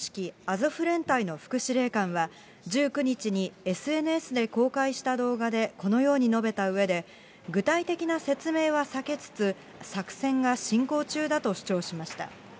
アゾフ連隊の副司令官は、１９日にＳＮＳで公開した動画で、このように述べたうえで、具体的な説明は避けつつ、作戦が進行中だと主張しました。